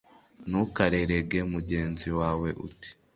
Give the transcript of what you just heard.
Ntukarerege mugenzi wawe uti